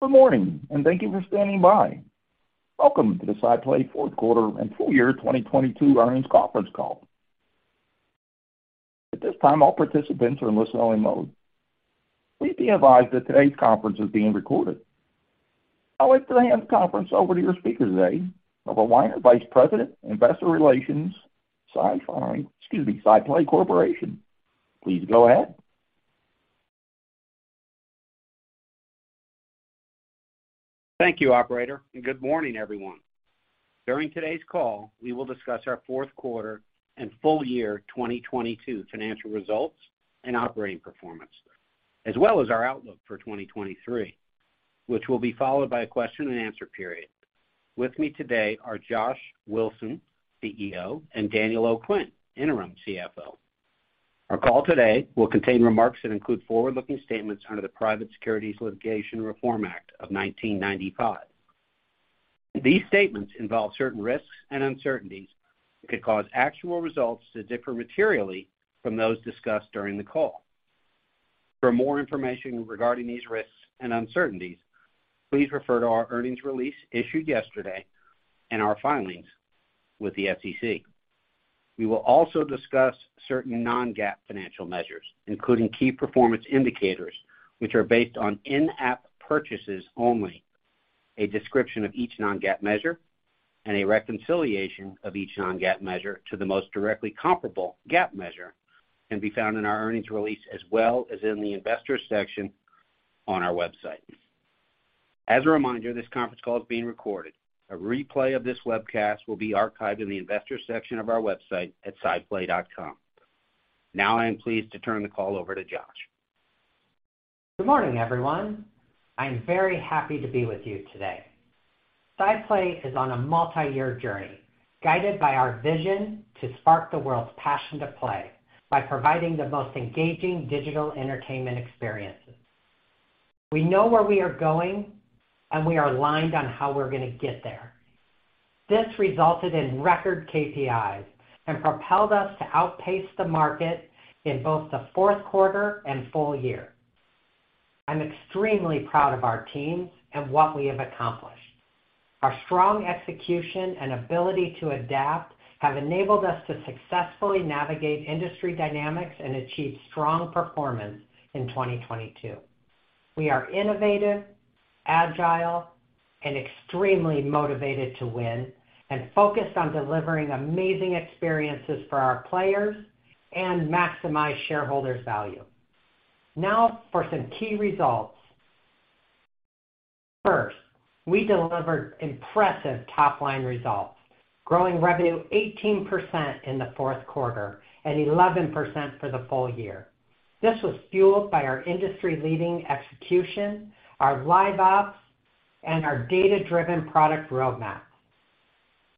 Good morning. Thank you for standing by. Welcome to the SciPlay fourth quarter and full year 2022 earnings conference call. At this time, all participants are in listen-only mode. Please be advised that today's conference is being recorded. I'll wait to hand the conference over to your speaker today, Robert Weiner, Vice President, Investor Relations, SciPlay Corporation. Please go ahead. Thank you, Operator. Good morning, everyone. During today's call, we will discuss our fourth quarter and full year 2022 financial results and operating performance, as well as our outlook for 2023, which will be followed by a question-and-answer period. With me today are Josh Wilson, CEO, and Daniel O'Quinn, Interim CFO. Our call today will contain remarks that include forward-looking statements under the Private Securities Litigation Reform Act of 1995. These statements involve certain risks and uncertainties that could cause actual results to differ materially from those discussed during the call. For more information regarding these risks and uncertainties, please refer to our earnings release issued yesterday and our filings with the SEC. We will also discuss certain non-GAAP financial measures, including key performance indicators, which are based on in-app purchases only. A description of each non-GAAP measure and a reconciliation of each non-GAAP measure to the most directly comparable GAAP measure can be found in our earnings release as well as in the investors section on our website. A reminder, this conference call is being recorded. A replay of this webcast will be archived in the investors section of our website at sciplay.com. I am pleased to turn the call over to Josh. Good morning, everyone. I'm very happy to be with you today. SciPlay is on a multi-year journey, guided by our vision to spark the world's passion to play by providing the most engaging digital entertainment experiences. We know where we are going, and we are aligned on how we're gonna get there. This resulted in record KPIs and propelled us to outpace the market in both the fourth quarter and full year. I'm extremely proud of our teams and what we have accomplished. Our strong execution and ability to adapt have enabled us to successfully navigate industry dynamics and achieve strong performance in 2022. We are innovative, agile, and extremely motivated to win, and focused on delivering amazing experiences for our players and maximize shareholders' value. Now for some key results. First, we delivered impressive top-line results, growing revenue 18% in the fourth quarter and 11% for the full year. This was fueled by our industry-leading execution, our LiveOps, and our data-driven product roadmap.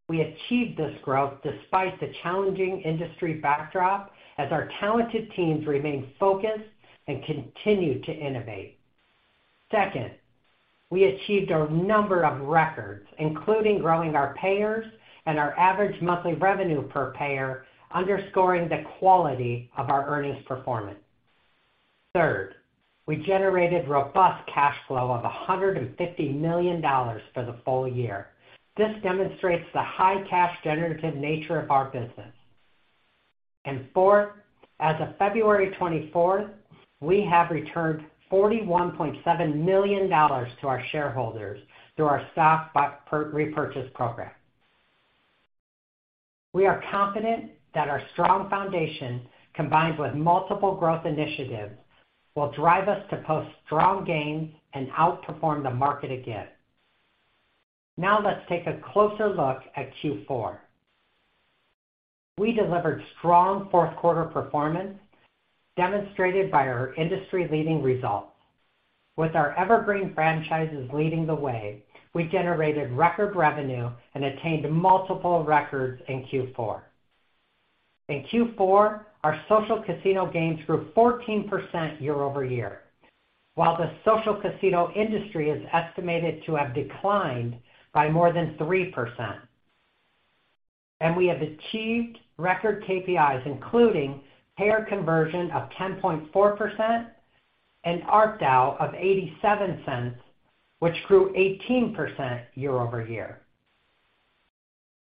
We achieved this growth despite the challenging industry backdrop as our talented teams remained focused and continued to innovate. Second, we achieved a number of records, including growing our payers and our average monthly revenue per payer, underscoring the quality of our earnings performance. Third, we generated robust cash flow of $150 million for the full year. This demonstrates the high cash generative nature of our business. Fourth, as of February 24th, we have returned $41.7 million to our shareholders through our stock re-repurchase program. We are confident that our strong foundation, combined with multiple growth initiatives, will drive us to post strong gains and outperform the market again. Now let's take a closer look at Q4. We delivered strong fourth quarter performance demonstrated by our industry-leading results. With our evergreen franchises leading the way, we generated record revenue and attained multiple records in Q4. In Q4, our social casino games grew 14% year-over-year, while the social casino industry is estimated to have declined by more than 3%. We have achieved record KPIs, including payer conversion of 10.4% and ARPDAU of $0.87, which grew 18% year-over-year.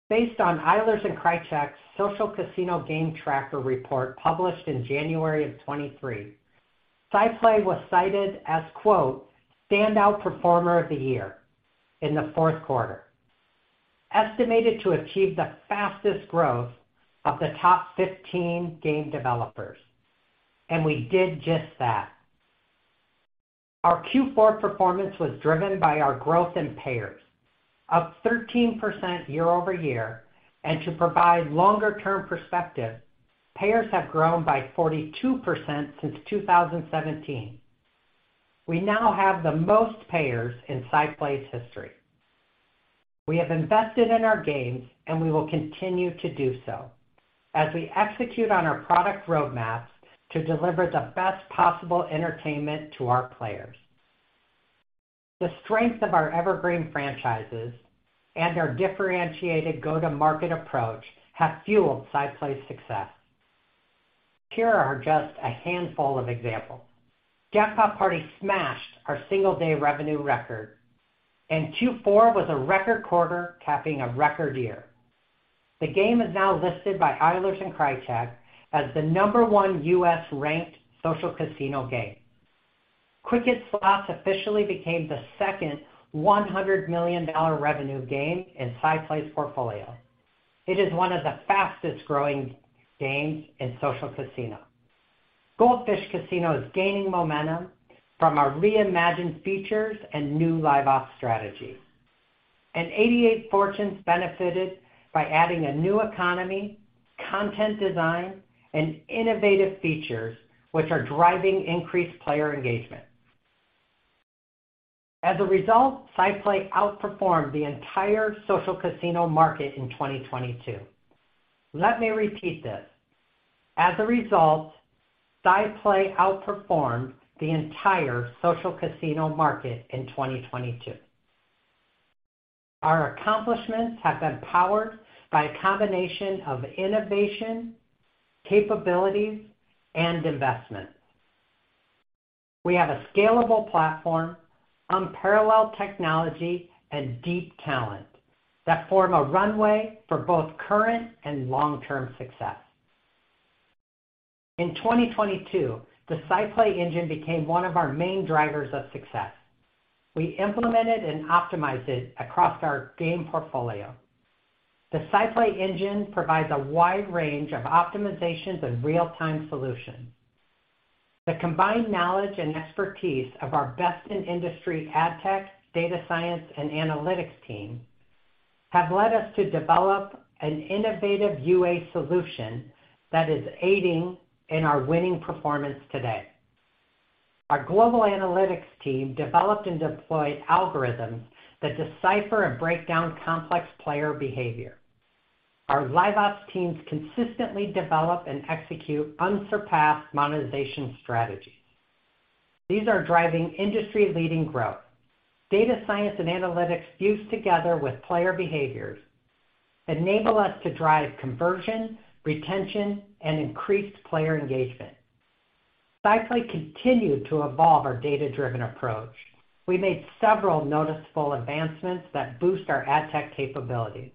Based on Eilers & Krejcik's Social Casino Game Tracker report published in January of 2023, SciPlay was cited as, quote, standout performer of the year in the fourth quarter, estimated to achieve the fastest growth of the top 15 game developers. We did just that. Our Q4 performance was driven by our growth in payers, up 13% year-over-year. To provide longer-term perspective, payers have grown by 42% since 2017. We now have the most payers in SciPlay's history. We have invested in our games, and we will continue to do so as we execute on our product roadmap to deliver the best possible entertainment to our players. The strength of our evergreen franchises and our differentiated go-to-market approach have fueled SciPlay's success. Here are just a handful of examples. Jackpot Party smashed our single day revenue record, and Q4 was a record quarter capping a record year. The game is now listed by Eilers & Krejcik as the number one U.S. ranked social casino game. Quick Hit Slots officially became the second $100 million revenue game in SciPlay's portfolio. It is one of the fastest-growing games in social casino. Gold Fish Casino is gaining momentum from our reimagined features and new LiveOps strategy. 88 Fortunes benefited by adding a new economy, content design, and innovative features, which are driving increased player engagement. As a result, SciPlay outperformed the entire social casino market in 2022. Let me repeat this. As a result, SciPlay outperformed the entire social casino market in 2022. Our accomplishments have been powered by a combination of innovation, capabilities, and investment. We have a scalable platform, unparalleled technology, and deep talent that form a runway for both current and long-term success. In 2022, SciPlay Engine became one of our main drivers of success. We implemented and optimized it across our game portfolio. SciPlay Engine provides a wide range of optimizations and real-time solutions. The combined knowledge and expertise of our best-in-industry ad tech, data science, and analytics team have led us to develop an innovative UA solution that is aiding in our winning performance today. Our global analytics team developed and deployed algorithms that decipher and break down complex player behavior. Our LiveOps teams consistently develop and execute unsurpassed monetization strategies. These are driving industry-leading growth. Data science and analytics fused together with player behaviors enable us to drive conversion, retention, and increased player engagement. SciPlay continued to evolve our data-driven approach. We made several noticeable advancements that boost our ad tech capability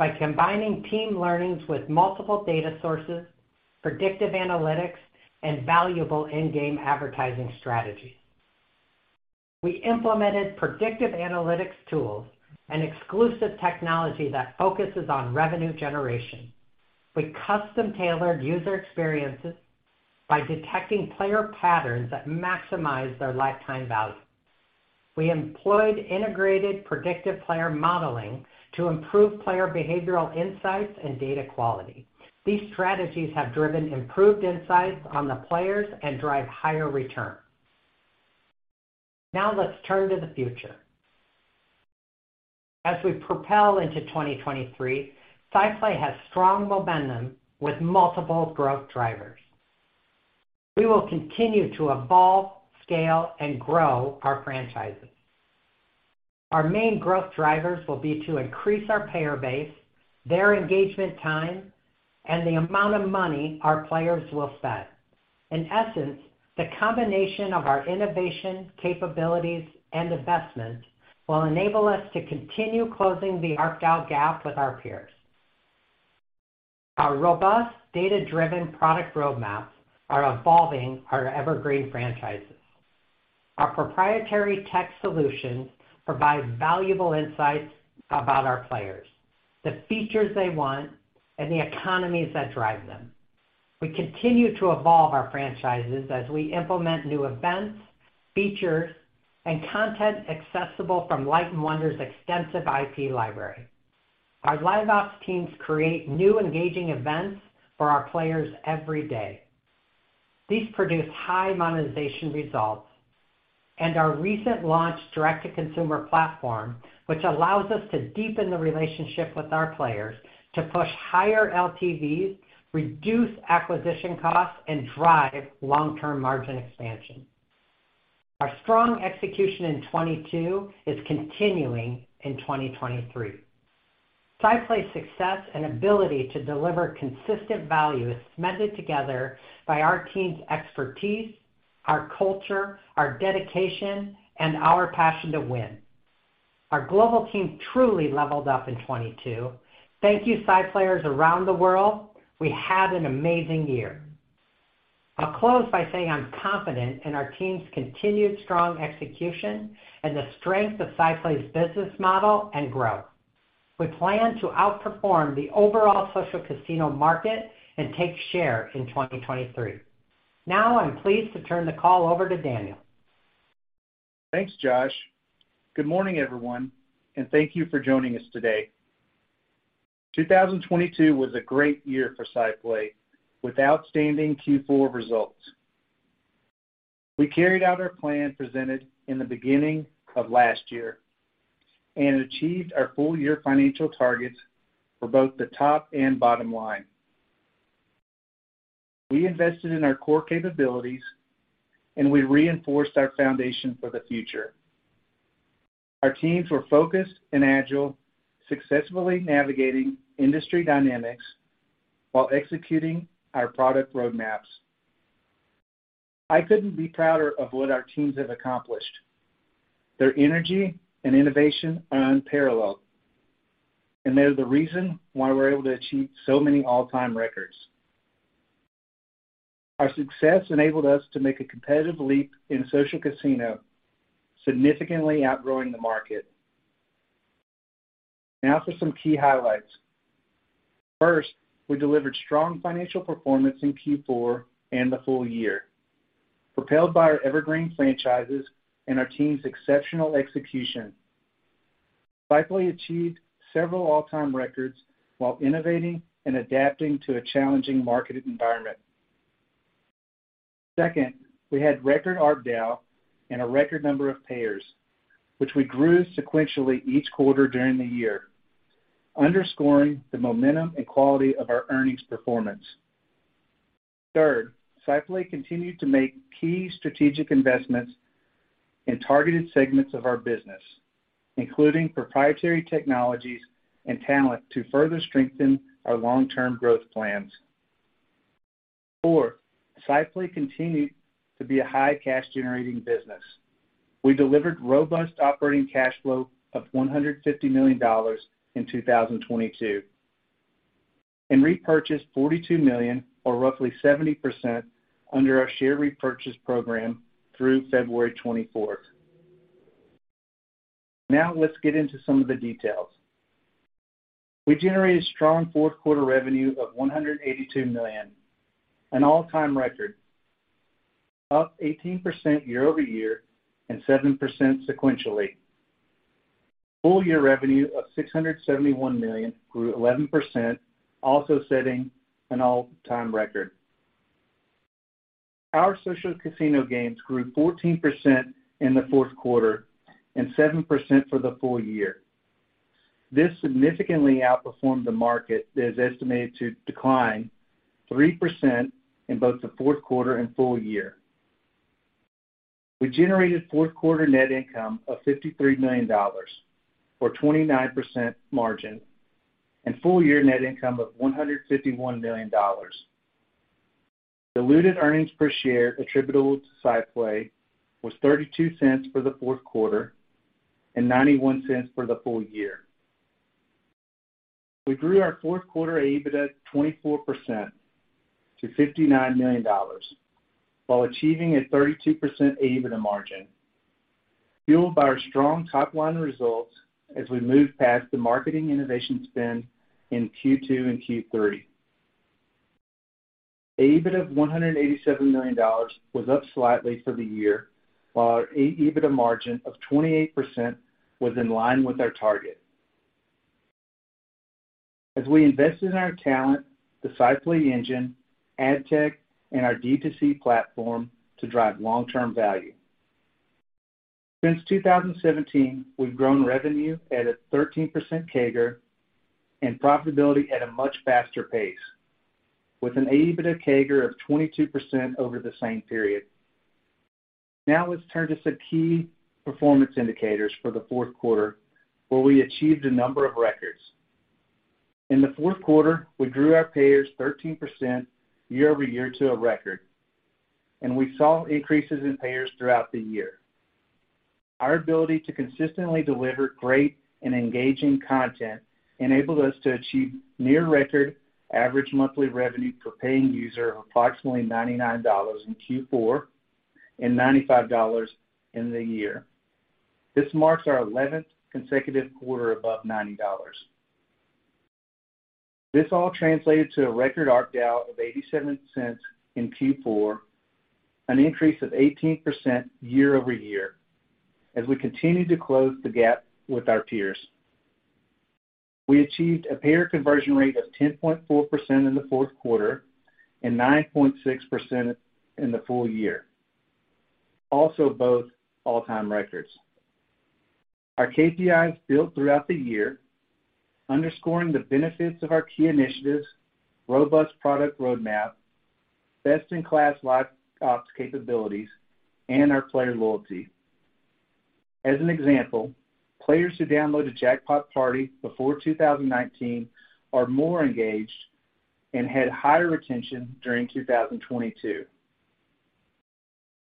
by combining team learnings with multiple data sources, predictive analytics, and valuable in-game advertising strategy. We implemented predictive analytics tools and exclusive technology that focuses on revenue generation. We custom-tailored user experiences by detecting player patterns that maximize their lifetime value. We employed integrated predictive player modeling to improve player behavioral insights and data quality. These strategies have driven improved insights on the players and drive higher return. Now let's turn to the future. As we propel into 2023, SciPlay has strong momentum with multiple growth drivers. We will continue to evolve, scale, and grow our franchises. Our main growth drivers will be to increase our payer base, their engagement time, and the amount of money our players will spend. In essence, the combination of our innovation, capabilities, and investment will enable us to continue closing the ARPDAU gap with our peers. Our robust data-driven product roadmaps are evolving our evergreen franchises. Our proprietary tech solutions provide valuable insights about our players, the features they want, and the economies that drive them. We continue to evolve our franchises as we implement new events, features, and content accessible from Light & Wonder's extensive IP library. Our LiveOps teams create new engaging events for our players every day. These produce high monetization results. Our recent launch direct-to-consumer platform, which allows us to deepen the relationship with our players to push higher LTVs, reduce acquisition costs, and drive long-term margin expansion. Our strong execution in 2022 is continuing in 2023. SciPlay's success and ability to deliver consistent value is cemented together by our team's expertise, our culture, our dedication, and our passion to win. Our global team truly leveled up in 2022. Thank you, SciPlayers around the world. We had an amazing year. I'll close by saying I'm confident in our team's continued strong execution and the strength of SciPlay's business model and growth. We plan to outperform the overall social casino market and take share in 2023. I'm pleased to turn the call over to Daniel. Thanks, Josh. Good morning, everyone, thank you for joining us today. 2022 was a great year for SciPlay with outstanding Q4 results. We carried out our plan presented in the beginning of last year and achieved our full-year financial targets for both the top and bottom line. We invested in our core capabilities. We reinforced our foundation for the future. Our teams were focused and agile, successfully navigating industry dynamics while executing our product roadmaps. I couldn't be prouder of what our teams have accomplished. Their energy and innovation are unparalleled. They're the reason why we're able to achieve so many all-time records. Our success enabled us to make a competitive leap in social casino, significantly outgrowing the market. For some key highlights. First, we delivered strong financial performance in Q4 and the full year, propelled by our evergreen franchises and our team's exceptional execution. SciPlay achieved several all-time records while innovating and adapting to a challenging market environment. Second, we had record ARPDAU and a record number of payers, which we grew sequentially each quarter during the year, underscoring the momentum and quality of our earnings performance. Third, SciPlay continued to make key strategic investments in targeted segments of our business, including proprietary technologies and talent to further strengthen our long-term growth plans. Four, SciPlay continued to be a high cash-generating business. We delivered robust operating cash flow of $150 million in 2022 and repurchased $42 million, or roughly 70% under our share repurchase program through February 24th. Now, let's get into some of the details. We generated strong fourth-quarter revenue of $182 million, an all-time record. Up 18% year-over-year and 7% sequentially. Full-year revenue of $671 million grew 11%, also setting an all-time record. Our social casino games grew 14% in the fourth quarter and 7% for the full year. This significantly outperformed the market that is estimated to decline 3% in both the fourth quarter and full year. We generated fourth-quarter net income of $53 million for a 29% margin and full year net income of $151 million. Diluted earnings per share attributable to SciPlay was $0.32 for the fourth quarter and $0.91 for the full year. We grew our fourth-quarter EBITDA 24% to $59 million while achieving a 32% EBITDA margin, fueled by our strong top-line results as we move past the marketing innovation spend in Q2 and Q3. AEBITDA of $187 million was up slightly for the year, while our AEBITDA margin of 28% was in line with our target. We invested in our talent, SciPlay Engine, ad tech, and our DTC platform to drive long-term value. Since 2017, we've grown revenue at a 13% CAGR and profitability at a much faster pace, with an AEBITDA CAGR of 22% over the same period. Let's turn to some key performance indicators for the fourth quarter, where we achieved a number of records. In the fourth quarter, we grew our payers 13% year-over-year to a record, and we saw increases in payers throughout the year. Our ability to consistently deliver great and engaging content enabled us to achieve near-record average monthly revenue per paying user of approximately $99 in Q4 and $95 in the year. This marks our 11th consecutive quarter above $90. This all translated to a record ARPDAU of $0.87 in Q4, an increase of 18% year-over-year as we continue to close the gap with our peers. We achieved a payer conversion rate of 10.4% in the fourth quarter and 9.6% in the full year. Also, both all-time records. Our KPIs built throughout the year, underscoring the benefits of our key initiatives, robust product roadmap, best-in-class LiveOps capabilities, and our player loyalty. As an example, players who downloaded Jackpot Party before 2019 are more engaged and had higher retention during 2022.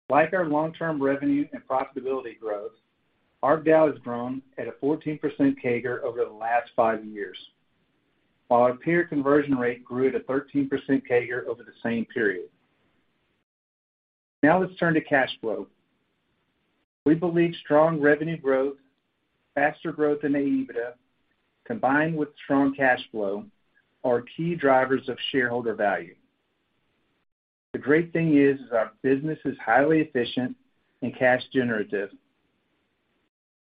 Like our long-term revenue and profitability growth, ARPDAU has grown at a 14% CAGR over the last five years, while our peer conversion rate grew at a 13% CAGR over the same period. Let's turn to cash flow. We believe strong revenue growth, faster growth in AEBITDA, combined with strong cash flow are key drivers of shareholder value. The great thing is our business is highly efficient and cash generative.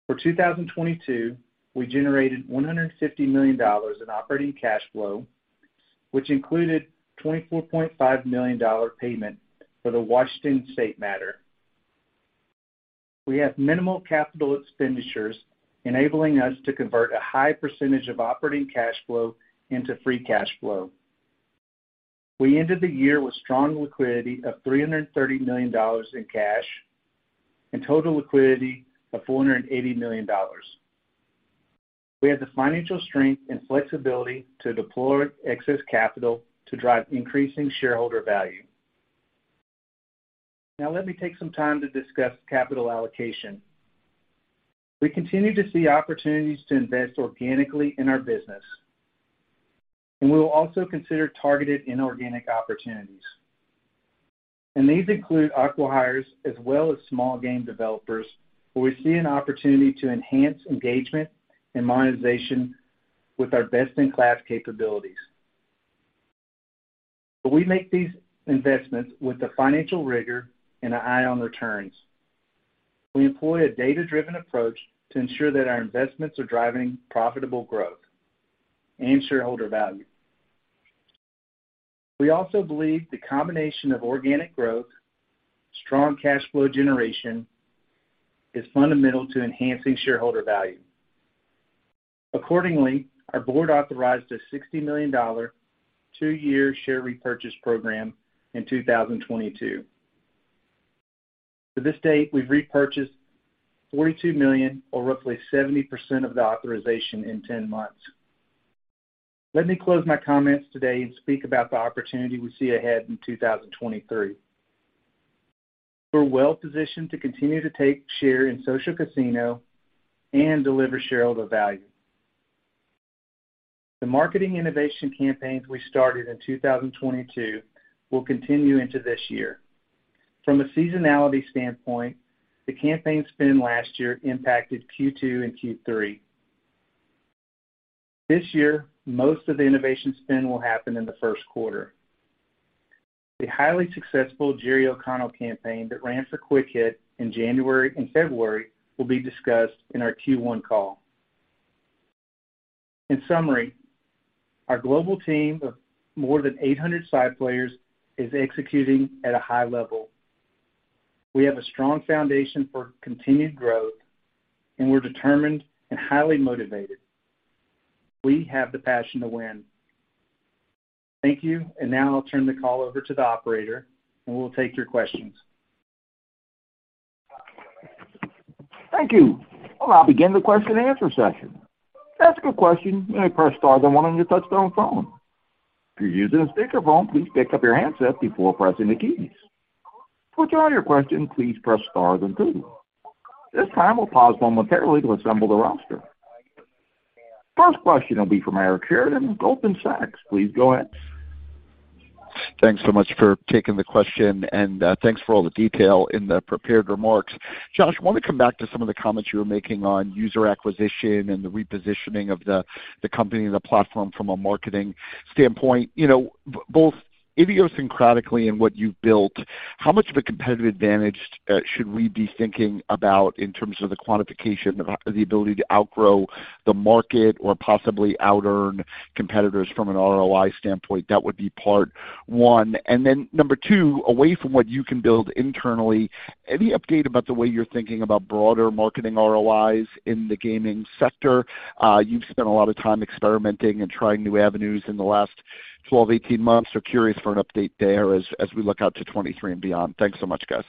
For 2022, we generated $150 million in operating cash flow, which included a $24.5 million payment for the Washington State matter. We have minimal capital expenditures, enabling us to convert a high percentage of operating cash flow into free cash flow. We ended the year with strong liquidity of $330 million in cash, and total liquidity of $480 million. We have the financial strength and flexibility to deploy excess capital to drive increasing shareholder value. Now let me take some time to discuss capital allocation. We continue to see opportunities to invest organically in our business, we'll also consider targeted inorganic opportunities. These include acqui-hires as well as small game developers, where we see an opportunity to enhance engagement and monetization with our best-in-class capabilities. We make these investments with the financial rigor and an eye on returns. We employ a data-driven approach to ensure that our investments are driving profitable growth and shareholder value. We also believe the combination of organic growth, strong cash flow generation is fundamental to enhancing shareholder value. Accordingly, our Board authorized a $60 million two-year share repurchase program in 2022. To this date, we've repurchased $42 million or roughly 70% of the authorization in 10 months. Let me close my comments today and speak about the opportunity we see ahead in 2023. We're well-positioned to continue to take share in social casino and deliver shareholder value. The marketing innovation campaigns we started in 2022 will continue into this year. From a seasonality standpoint, the campaign spend last year impacted Q2 and Q3. This year, most of the innovation spend will happen in the first quarter. The highly successful Jerry O'Connell campaign that ran for Quick Hit in January and February will be discussed in our Q1 call. In summary, our global team of more than 800 SciPlayers is executing at a high level. We have a strong foundation for continued growth, and we're determined and highly motivated. We have the passion to win. Thank you. Now I'll turn the call over to the Operator, and we'll take your questions. Thank you. I'll now begin the question-and-answer session. To ask a question, you may press star then one on your touchtone phone. If you're using a speakerphone, please pick up your handset before pressing the keys. To withdraw your question, please press star then two. This time we'll pause momentarily to assemble the roster. First question will be from Eric Sheridan, Goldman Sachs. Please go ahead. Thanks so much for taking the question, and thanks for all the detail in the prepared remarks. Josh, I want to come back to some of the comments you were making on user acquisition and the repositioning of the company and the platform from a marketing standpoint. You know, both idiosyncratically and what you've built, how much of a competitive advantage, should we be thinking about in terms of the quantification, the ability to outgrow the market or possibly outearn competitors from an ROI standpoint? That would be part one. Then number two, away from what you can build internally, any update about the way you're thinking about broader marketing ROIs in the gaming sector? You've spent a lot of time experimenting and trying new avenues in the last 12 to 18 months. Curious for an update there as we look out to 2023 and beyond. Thanks so much, guys.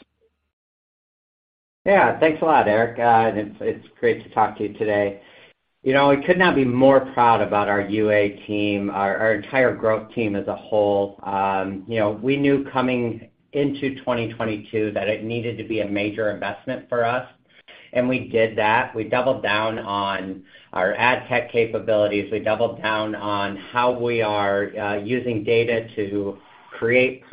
Yeah, thanks a lot, Eric. It's great to talk to you today. You know, we could not be more proud about our UA team, our entire growth team as a whole. You know, we knew coming into 2022 that it needed to be a major investment for us, and we did that. We doubled down on our ad tech capabilities. We doubled down on how we are using data to create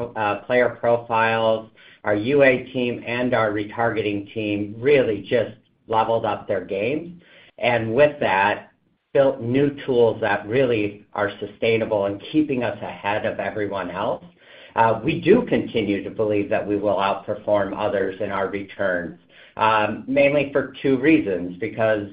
player profiles. Our UA team and our retargeting team really just leveled up their games. With that, built new tools that really are sustainable and keeping us ahead of everyone else. We do continue to believe that we will outperform others in our returns, mainly for two reasons. Because,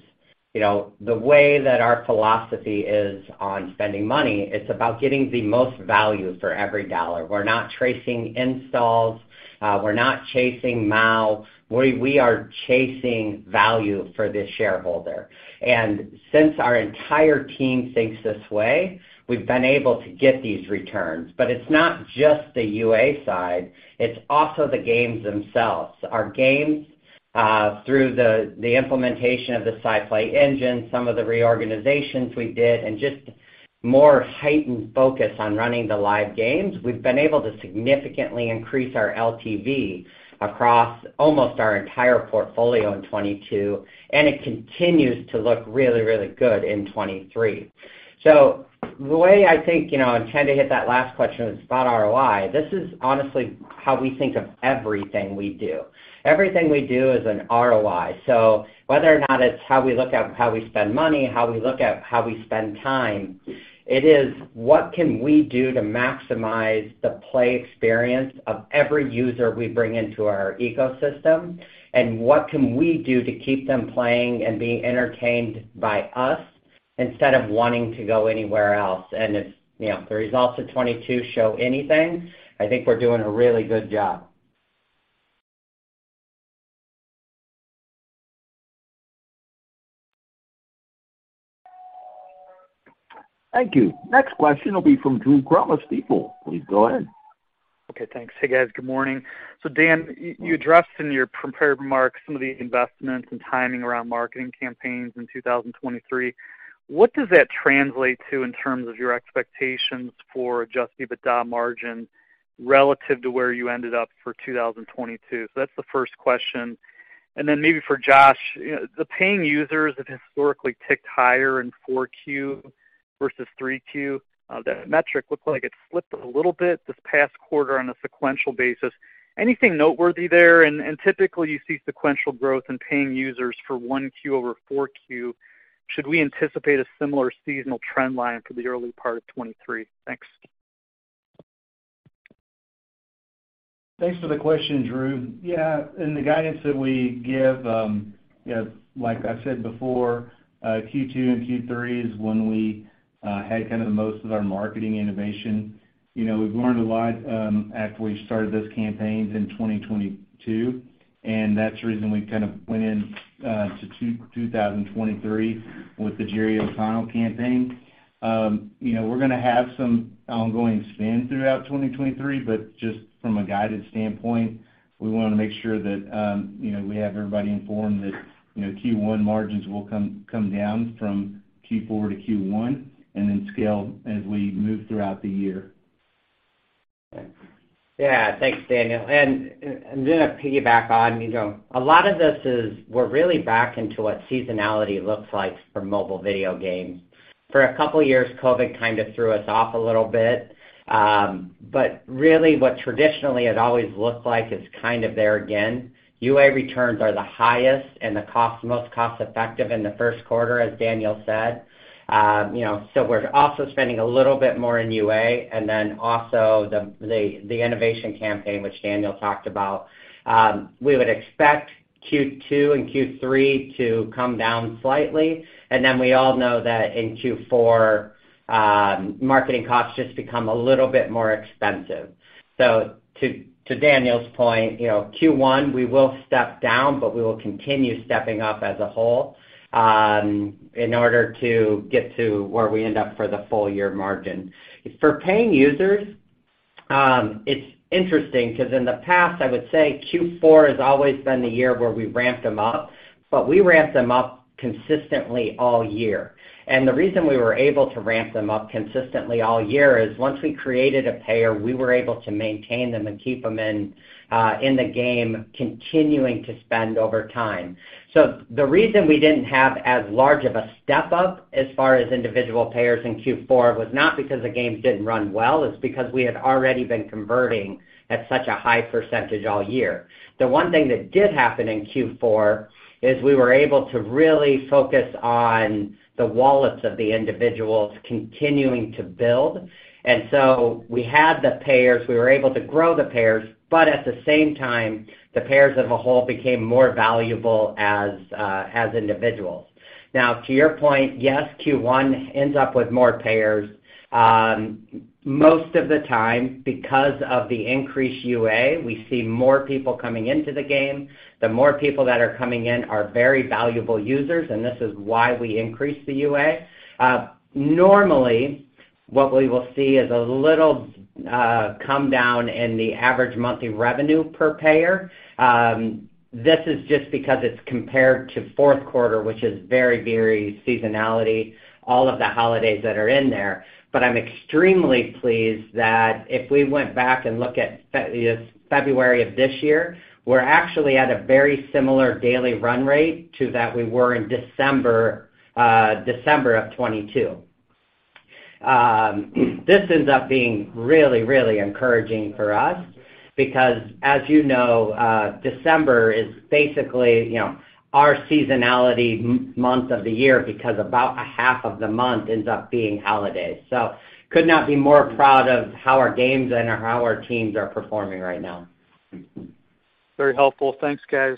you know, the way that our philosophy is on spending money, it's about getting the most value for every dollar. We're not tracing installs, we're not chasing MAU. We are chasing value for the shareholder. Since our entire team thinks this way, we've been able to get these returns. It's not just the UA side, it's also the games themselves. Our games, through the implementation of the SciPlay Engine, some of the reorganizations we did, and just more heightened focus on running the live games, we've been able to significantly increase our LTV across almost our entire portfolio in 2022, and it continues to look really, really good in 2023. The way I think, you know, and trying to hit that last question is about ROI, this is honestly how we think of everything we do. Everything we do is an ROI. Whether or not it's how we look at how we spend money, how we look at how we spend time, it is what can we do to maximize the play experience of every user we bring into our ecosystem? What can we do to keep them playing and being entertained by us instead of wanting to go anywhere else? If, you know, the results of 2022 show anything, I think we're doing a really good job. Thank you. Next question will be from Drew Crum, Stifel. Please go ahead. Okay, thanks. Hey, guys. Good morning. Dan, you addressed in your prepared remarks some of the investments and timing around marketing campaigns in 2023. What does that translate to in terms of your expectations for adjusted EBITDA margin relative to where you ended up for 2022? That's the first question. Maybe for Josh, the paying users have historically ticked higher in 4Q versus 3Q. That metric looked like it slipped a little bit this past quarter on a sequential basis. Anything noteworthy there? Typically, you see sequential growth in paying users for 1Q over 4Q. Should we anticipate a similar seasonal trend line for the early part of 2023? Thanks. Thanks for the question, Drew. Yeah. In the guidance that we give, you know, like I said before, Q2 and Q3 is when we had kind of most of our marketing innovation. You know, we've learned a lot after we started those campaigns in 2022, and that's the reason we kind of went in to 2023 with the Jerry O'Connell campaign. You know, we're gonna have some ongoing spend throughout 2023, but just from a guidance standpoint, we wanna make sure that, you know, we have everybody informed that, you know, Q1 margins will come down from Q4 to Q1 and then scale as we move throughout the year. Yeah. Thanks, Daniel. Then to piggyback on, you know, a lot of this is we're really back into what seasonality looks like for mobile video games. For a couple years, COVID kind of threw us off a little bit. But really what traditionally it always looked like is kind of there again. UA returns are the highest and the cost, most cost-effective in the first quarter, as Daniel said. You know, so we're also spending a little bit more in UA and then also the innovation campaign, which Daniel talked about. We would expect Q2 and Q3 to come down slightly. Then we all know that in Q4, marketing costs just become a little bit more expensive. To Daniel's point, you know, Q1, we will step down, we will continue stepping up as a whole, in order to get to where we end up for the full-year margin. For paying users, it's interesting because in the past, I would say Q4 has always been the year where we ramped them up, we ramped them up consistently all year. The reason we were able to ramp them up consistently all year is once we created a payer, we were able to maintain them and keep them in the game, continuing to spend over time. The reason we didn't have as large of a step-up as far as individual payers in Q4 was not because the games didn't run well, it's because we had already been converting at such a high percentage all year. The one thing that did happen in Q4 is we were able to really focus on the wallets of the individuals continuing to build. We had the payers, we were able to grow the payers, but at the same time, the payers as a whole became more valuable as individuals. To your point, yes, Q1 ends up with more payers, most of the time because of the increased UA, we see more people coming into the game. The more people that are coming in are very valuable users, and this is why we increase the UA. Normally, what we will see is a little come down in the average monthly revenue per payer. This is just because it's compared to fourth quarter, which is very seasonality, all of the holidays that are in there. I'm extremely pleased that if we went back and look at February of this year, we're actually at a very similar daily run rate to that we were in December of 2022. This ends up being really, really encouraging for us because as you know, December is basically, you know, our seasonality month of the year because about a half of the month ends up being holidays. Could not be more proud of how our games and how our teams are performing right now. Very helpful. Thanks, guys.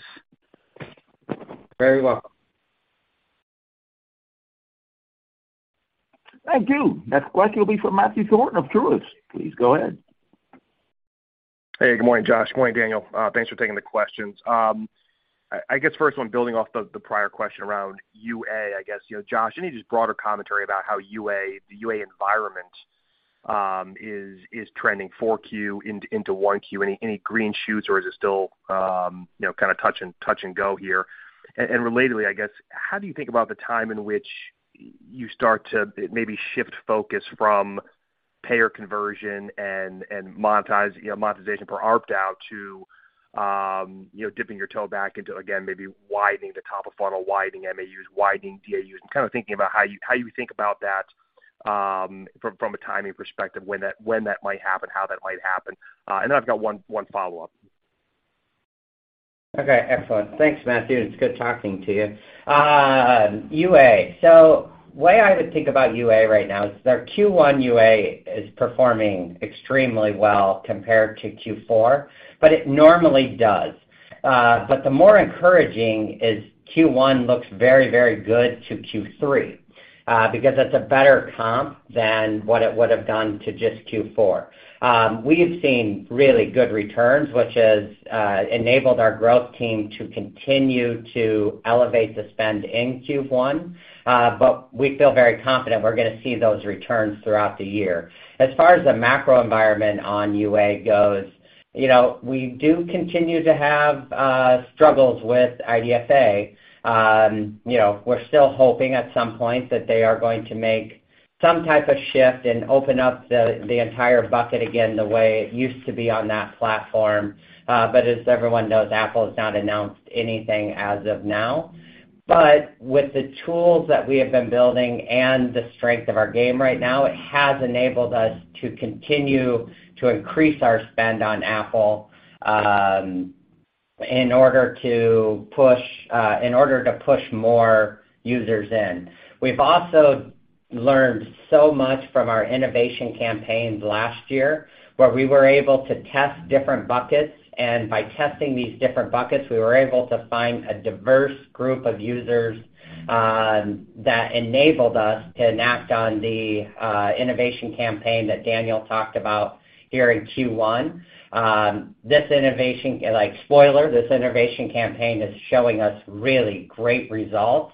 Very welcome. Thank you. Next question will be from Matthew Thornton of Truist. Please go ahead. Hey, good morning, Josh. Good morning, Daniel. Thanks for taking the questions. I guess first one, building off the prior question around UA, I guess, you know, Josh, any just broader commentary about how UA, the UA environment, is trending 4Q into 1Q? Any green shoots, or is it still, you know, kind of touch and go here? Relatedly, I guess, how do you think about the time in which you start to maybe shift focus from payer conversion and monetize, you know, monetization per ARPDAU to dipping your toe back into, again, maybe widening the top-of-funnel, widening MAUs, widening DAUs? I'm kind of thinking about how you think about that, from a timing perspective, when that, when that might happen, how that might happen. I've got one follow-up. Okay. Excellent. Thanks, Matthew. It's good talking to you. UA. The way I would think about UA right now is that our Q1 UA is performing extremely well compared to Q4, but it normally does. The more encouraging is Q1 looks very, very good to Q3, because that's a better comp than what it would've done to just Q4. We've seen really good returns, which has enabled our growth team to continue to elevate the spend in Q1. We feel very confident we're gonna see those returns throughout the year. As far as the macro environment on UA goes, you know, we do continue to have struggles with IDFA. You know, we're still hoping at some point that they are going to make some type of shift and open up the entire bucket again the way it used to be on that platform. As everyone knows, Apple has not announced anything as of now. With the tools that we have been building and the strength of our game right now, it has enabled us to continue to increase our spend on Apple, in order to push more users in. We've also learned so much from our innovation campaigns last year, where we were able to test different buckets, and by testing these different buckets, we were able to find a diverse group of users that enabled us to enact on the innovation campaign that Daniel talked about here in Q1. Like spoiler, this innovation campaign is showing us really great results.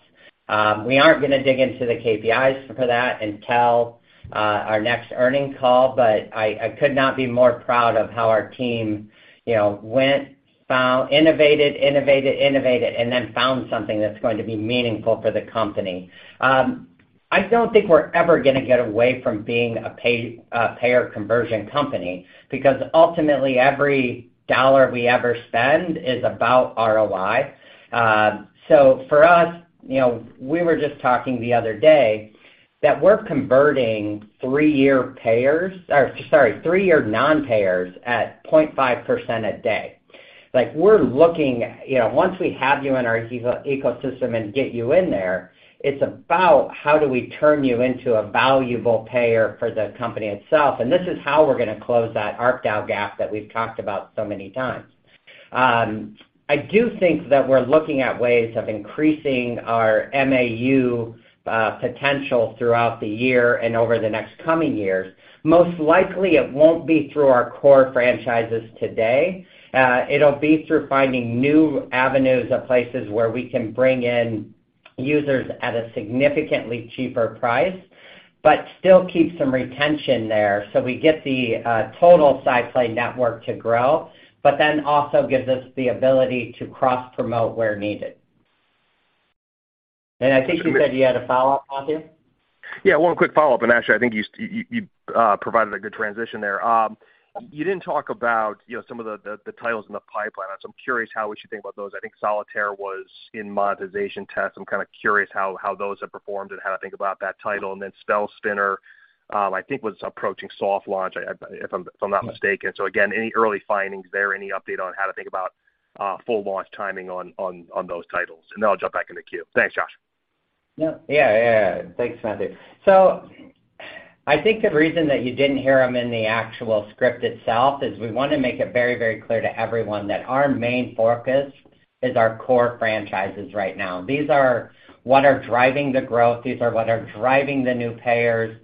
We aren't gonna dig into the KPIs for that until our next earnings call, I could not be more proud of how our team, you know, went, found, innovated, innovated, and then found something that's going to be meaningful for the company. I don't think we're ever gonna get away from being a payer conversion company because ultimately every dollar we ever spend is about ROI. For us, you know, we were just talking the other day that we're converting three-year payers-- or sorry, three-year non-payers at 0.5% a day. Like, we're looking... You know, once we have you in our ecosystem and get you in there, it's about how do we turn you into a valuable payer for the company itself. This is how we're gonna close that ARPDAU gap that we've talked about so many times. I do think that we're looking at ways of increasing our MAU potential throughout the year and over the next coming years. Most likely, it won't be through our core franchises today. It'll be through finding new avenues of places where we can bring in users at a significantly cheaper price, still keep some retention there. We get the total SciPlay network to grow, also gives us the ability to cross-promote where needed. I think you said you had a follow-up, Matthew? Yeah, one quick follow-up, actually, I think you provided a good transition there. You didn't talk about, you know, some of the titles in the pipeline. I'm so curious how we should think about those. I think Solitaire was in monetization tests. I'm kinda curious how those have performed and how to think about that title. Then Spell Spinner, I think was approaching soft launch if I'm not mistaken. Again, any early findings there, any update on how to think about full launch timing on those titles? Then I'll jump back in the queue. Thanks, Josh. Yeah. Yeah, yeah. Thanks, Matthew. I think the reason that you didn't hear them in the actual script itself is we wanna make it very, very clear to everyone that our main focus is our core franchises right now. These are what are driving the growth. These are what are driving the new payers.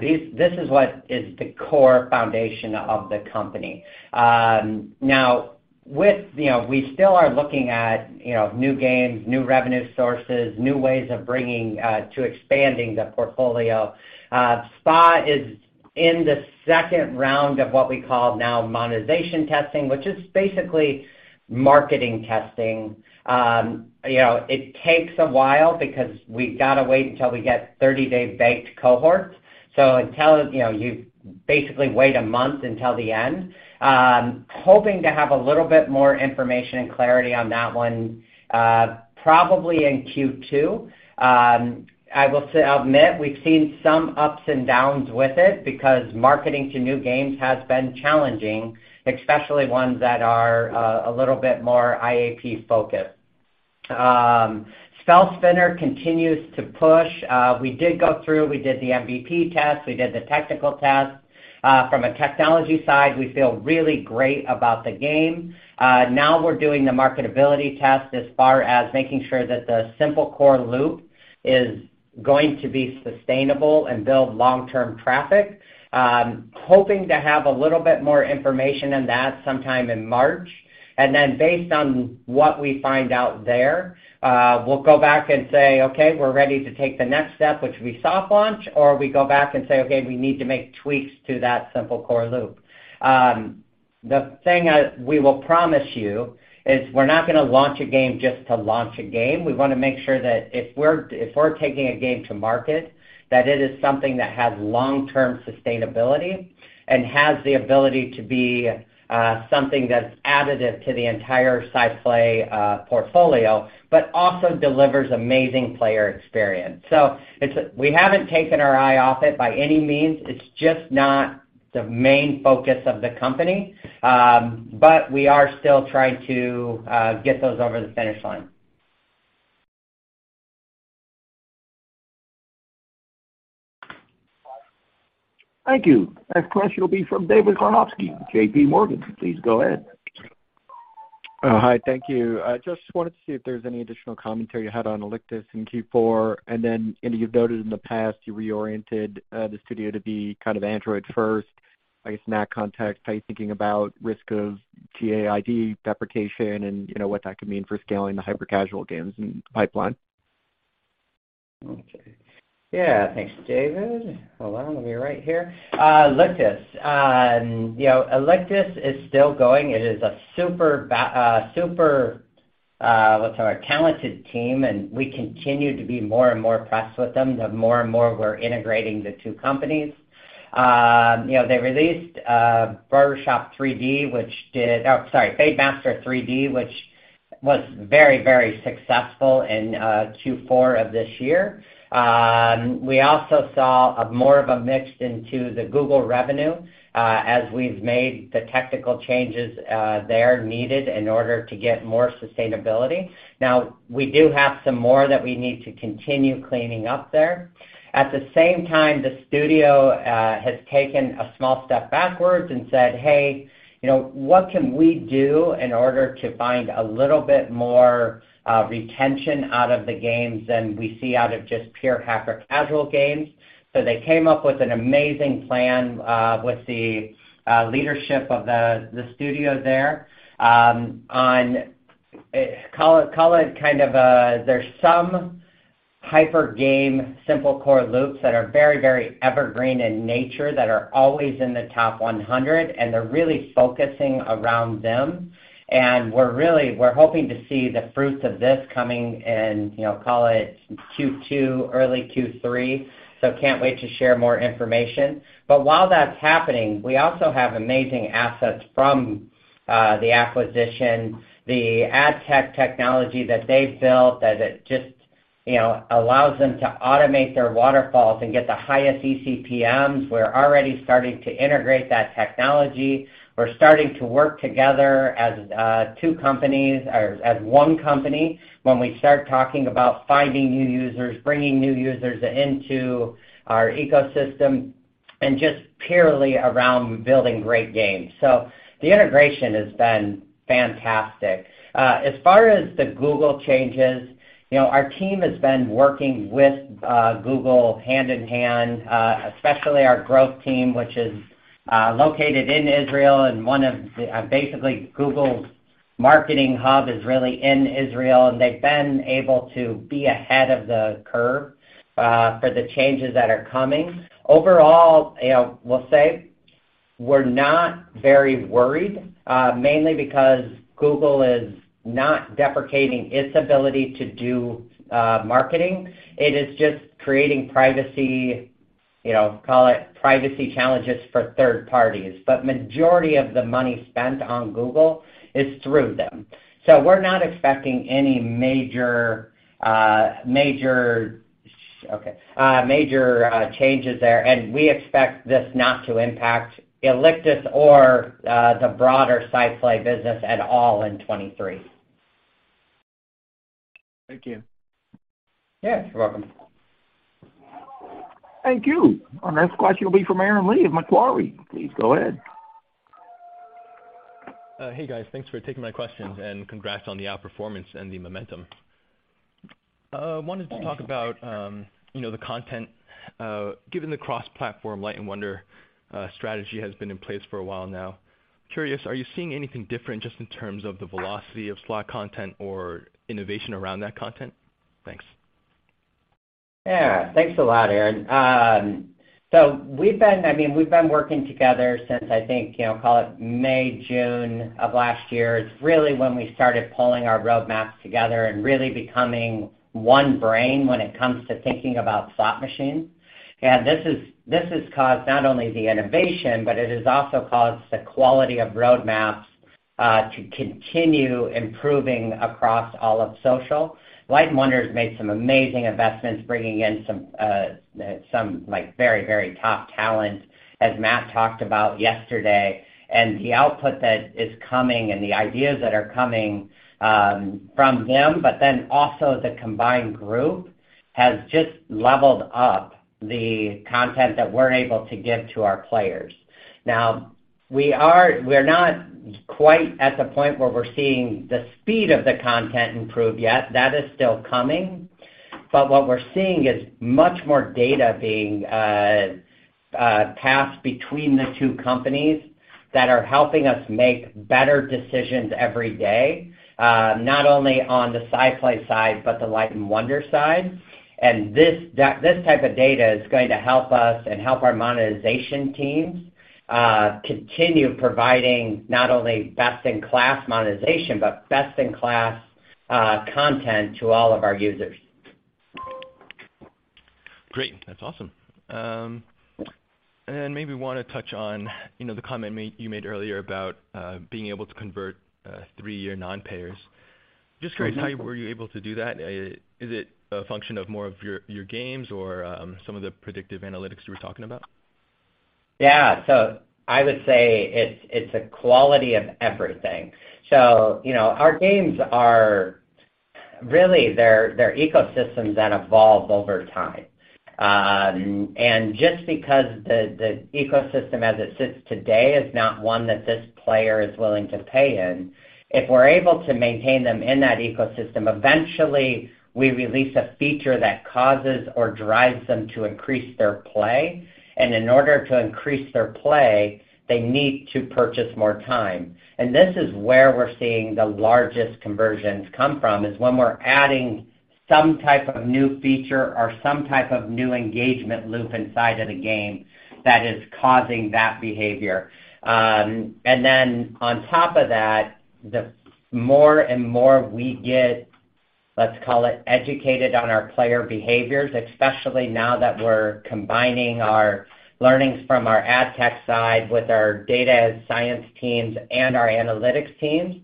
This is what is the core foundation of the company. Now with, you know, we still are looking at, you know, new games, new revenue sources, new ways of bringing to expanding the portfolio. Sci is in the second round of what we call now monetization testing, which is basically marketing testing. You know, it takes a while because we've gotta wait until we get 30-day banked cohorts. Until, you know, you basically wait a month until the end. Hoping to have a little bit more information and clarity on that one, probably in Q2. I will admit we've seen some ups and downs with it because marketing to new games has been challenging, especially ones that are a little bit more IAP-focused. Spell Spinner continues to push. We did go through, we did the MVP test, we did the technical test. From a technology side, we feel really great about the game. Now we're doing the marketability test as far as making sure that the simple core loop is going to be sustainable and build long-term traffic. Hoping to have a little bit more information on that sometime in March. Based on what we find out there, we'll go back and say, "Okay, we're ready to take the next step," which will be soft launch, or we go back and say, "Okay, we need to make tweaks to that simple core loop." The thing we will promise you is we're not gonna launch a game just to launch a game. We wanna make sure that if we're taking a game to market, that it is something that has long-term sustainability and has the ability to be something that's additive to the entire SciPlay portfolio, but also delivers amazing player experience. We haven't taken our eye off it by any means. It's just not the main focus of the company. But we are still trying to get those over the finish line. Thank you. Next question will be from David Karnovsky, JPMorgan. Please go ahead. Hi. Thank you. I just wanted to see if there's any additional commentary you had on Alictus in Q4. You've noted in the past you reoriented the studio to be kind of Android first. I guess in that context, how you thinking about risk of GAID deprecation and, you know, what that could mean for scaling the hyper-casual games and pipeline? Yeah. Thanks, David. Hold on. Let me write here. Alictus. You know, Alictus is still going. It is a super talented team, and we continue to be more and more impressed with them the more and more we're integrating the two companies. You know, they released Fade Master 3D, which was very, very successful in Q4 of this year. We also saw a more of a mix into the Google revenue as we've made the technical changes there needed in order to get more sustainability. We do have some more that we need to continue cleaning up there. At the same time, the studio has taken a small step backwards and said, "Hey, you know, what can we do in order to find a little bit more retention out of the games than we see out of just pure hyper casual games?" They came up with an amazing plan with the leadership of the studio there on call it kind of a, there's some hyper game simple core loops that are very, very evergreen in nature that are always in the top 100. They're really focusing around them. We're hoping to see the fruits of this coming in, you know, call it Q2, early Q3. Can't wait to share more information. While that's happening, we also have amazing assets from the acquisition. The ad tech technology that they've built that it just, you know, allows them to automate their waterfalls and get the highest eCPMs. We're already starting to integrate that technology. We're starting to work together as two companies or as one company when we start talking about finding new users, bringing new users into our ecosystem and just purely around building great games. The integration has been fantastic. As far as the Google changes, you know, our team has been working with Google hand-in-hand, especially our growth team, which is located in Israel and basically Google's marketing hub is really in Israel, and they've been able to be ahead of the curve for the changes that are coming. Overall, you know, we'll say we're not very worried, mainly because Google is not deprecating its ability to do marketing. It is just creating privacy, you know, call it privacy challenges for third parties. Majority of the money spent on Google is through them, so we're not expecting any major changes there. We expect this not to impact Alictus or the broader SciPlay business at all in 2023. Thank you. Yeah. You're welcome. Thank you. Our next question will be from Aaron Lee of Macquarie. Please go ahead. Hey, guys. Thanks for taking my questions, and congrats on the outperformance and the momentum. Thanks. Wanted to talk about, you know, the content. Given the cross-platform Light & Wonder strategy has been in place for a while now. Curious, are you seeing anything different just in terms of the velocity of slot content or innovation around that content? Thanks. Yeah. Thanks a lot, Aaron. I mean, we've been working together since, I think, you know, call it May, June of last year is really when we started pulling our roadmaps together and really becoming one brain when it comes to thinking about slot machines. This has caused not only the innovation, but it has also caused the quality of roadmaps, to continue improving across all of social. Light & Wonder has made some amazing investments, bringing in some, like, very top talent, as Matt talked about yesterday. The output that is coming and the ideas that are coming, from them, but then also the combined group, has just leveled up the content that we're able to give to our players. Now we're not quite at the point where we're seeing the speed of the content improve yet. That is still coming. What we're seeing is much more data being passed between the two companies that are helping us make better decisions every day, not only on the SciPlay side, but the Light & Wonder side. This type of data is going to help us and help our monetization teams, continue providing not only best-in-class monetization, but best-in-class content to all of our users. Great. That's awesome. Then maybe wanna touch on, you know, the comment you made earlier about being able to convert three-year non-payers. Mm-hmm. Just curious how you were able to do that? Is it a function of more of your games or some of the predictive analytics we were talking about? Yeah. I would say it's a quality of everything. You know, our games are really, they're ecosystems that evolve over time. Just because the ecosystem as it sits today is not one that this player is willing to pay in, if we're able to maintain them in that ecosystem, eventually we release a feature that causes or drives them to increase their play. In order to increase their play, they need to purchase more time. This is where we're seeing the largest conversions come from, is when we're adding some type of new feature or some type of new engagement loop inside of the game that is causing that behavior. Then on top of that, the more and more we get, let's call it educated on our player behaviors, especially now that we're combining our learnings from our ad tech side with our data science teams and our analytics teams,